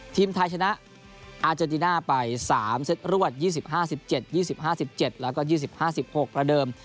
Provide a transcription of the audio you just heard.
ทีมไทยชนะอาจารย์ดีน่าไป๓เซ็ตรวด๒๐๕๗๒๐๕๗แล้วก็๒๐๕๖ระเดิม